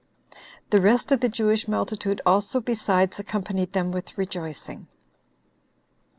The rest of the Jewish multitude also besides accompanied them with rejoicing. 10.